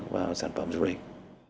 vào sản phẩm du lịch